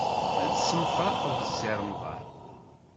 Ad temsefraqeḍ d Si Remḍan?